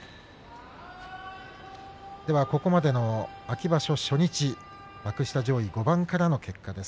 ここまでの秋場所初日幕下上位５番からの結果です。